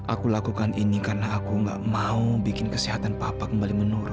aku lakukan ini karena aku gak mau bikin kesehatan papa kembali menurun